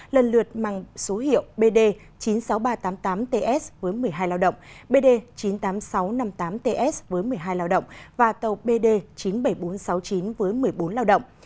lần lượt mang số hiệu bd chín mươi sáu nghìn ba trăm tám mươi tám ts với một mươi hai lao động